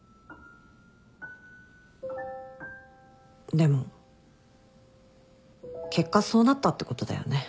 でも結果そうなったってことだよね。